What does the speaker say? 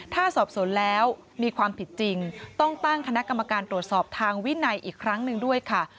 ถ้าสอบสวนแล้วมีความผิดจริงต้องตั้งคณะกรรมการตรวจสอบทางวินัยอีกครั้งหนึ่งด้วยค่ะ